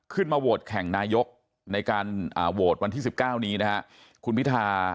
ขึ้นมาโหวตแข่งนายกในการโหวตวันที่๑๙นี้นะฮะคุณพิธา